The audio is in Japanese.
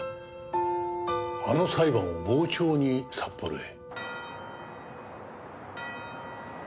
あの裁判を傍聴に札幌へ。